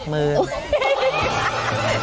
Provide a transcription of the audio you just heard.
แค่นี้เลย